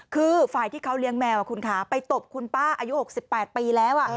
คือฝ่ายที่เขาเลี้ยงแมวคุณคะไปตบคุณป้าอายุ๖๘ปีแล้ว